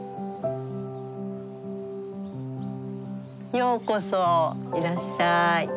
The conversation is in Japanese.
ようこそいらっしゃい。